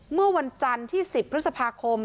เมื่อวันจันทร์ที่๑๐พฤษภาคม